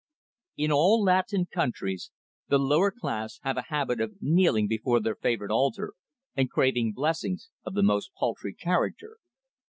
In all Latin countries the lower class have a habit of kneeling before their favourite altar and craving blessings of the most paltry character.